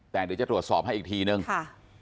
แต่เดี๋ยวจะตรวจสอบให้อีกทีนึงค่ะ